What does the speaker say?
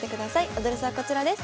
アドレスはこちらです。